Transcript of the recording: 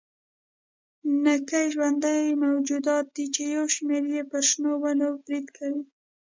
نکي ژوندي موجودات دي چې یو شمېر یې پر شنو ونو برید کوي.